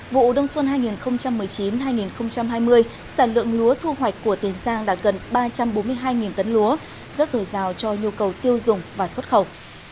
vụ đông xuân hai nghìn một mươi chín hai nghìn hai mươi sản lượng lúa thu hoạch của tiền giang đạt gần ba trăm bốn mươi hai tấn lúa rất rồi rào cho nhu cầu tiêu dùng và xuất khẩu